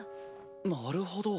なるほど。